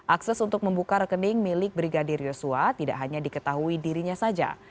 akses untuk membuka rekening milik brigadir yosua tidak hanya diketahui dirinya saja